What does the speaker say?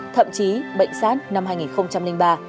thậm chí bệnh sát năm hai nghìn ba